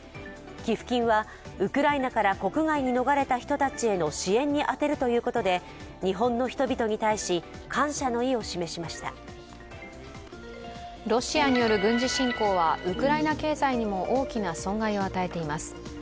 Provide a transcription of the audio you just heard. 寄付金は、ウクライナから国外に逃れた人たちの支援に充てるということで日本の人々に対し、感謝の意を示しましたロシアによる軍事侵攻はウクライナ経済にも大きな損害を与えています。